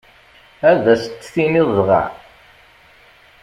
Ad as-t-tiniḍ dɣa?